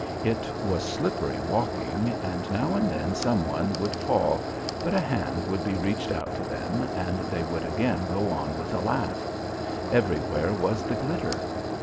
It was slippery walking and now and then some one would fall, but a hand would be reached out to them and they would again go on with a laugh. Everywhere was the glitter.